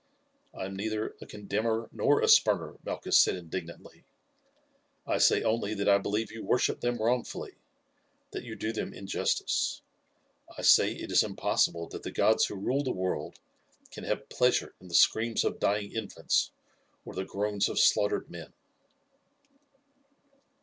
"I am neither a condemner nor a spurner," Malchus said indignantly; "I say only that I believe you worship them wrongfully, that you do them injustice. I say it is impossible that the gods who rule the world can have pleasure in the screams of dying infants or the groans of slaughtered men."